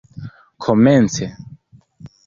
komence